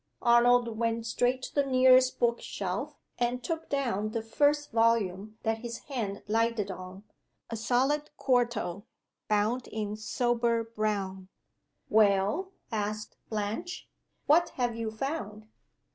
Arnold went straight to the nearest book shelf, and took down the first volume that his hand lighted on a solid quarto, bound in sober brown. "Well?" asked Blanche. "What have you found?"